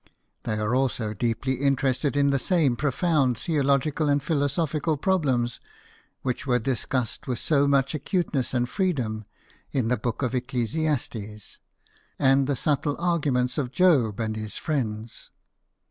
They are also deeply interested in the same profound theological and philosophical problems which were discussed with so much acuteness and freedom in the Book of Ecclesiastes and the subtle argument of Job and his friends.